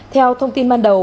theo thông tin ban đầu